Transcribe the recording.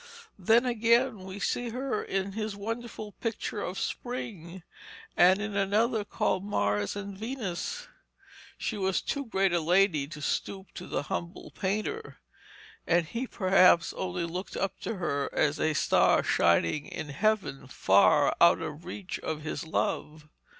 Then again we see her in his wonderful picture of 'Spring,' and in another called 'Mars and Venus.' She was too great a lady to stoop to the humble painter, and he perhaps only looked up to her as a star shining in heaven, far out of the reach of his love.